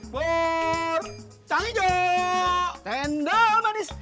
burr tang hijau tendal manis